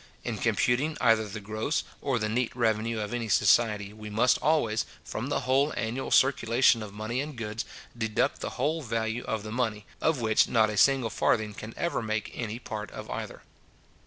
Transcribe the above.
In computing either the gross or the neat revenue of any society, we must always, from the whole annual circulation of money and goods, deduct the whole value of the money, of which not a single farthing can ever make any part of either.